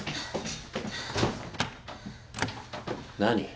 何？